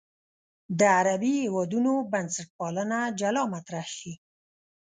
د عربي هېوادونو بنسټپالنه جلا مطرح شي.